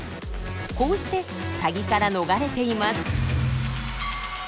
こうしてサギから逃れています。